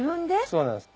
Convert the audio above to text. そうなんです。